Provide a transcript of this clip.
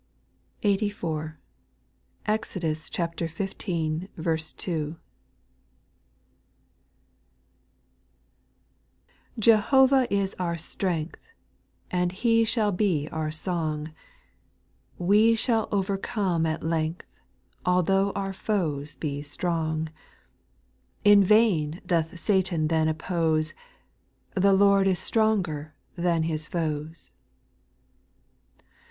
// SPIRITUAL SOJSrOS, 113 84. Exodu8 XV. 2. 1. TEHOVAH is our strength, V And He shall be our song ; We shall overcome at length, Although our foes be strong : In vain doth Satan then oppose, The Lord is stronger than His foes.